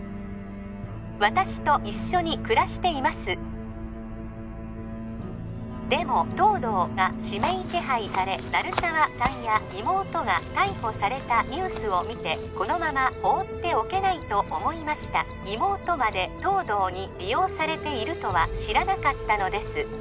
私と一緒に暮らしていますでも東堂が指名手配され鳴沢さんや妹が逮捕されたニュースを見てこのまま放っておけないと思いました妹まで東堂に利用されているとは知らなかったのです